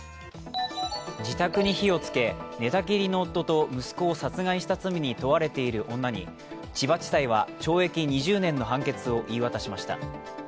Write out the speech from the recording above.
自宅に火をつけ寝たきりの夫と息子を殺害した罪に問われている女に千葉地裁は懲役２０年の判決を言い渡しました。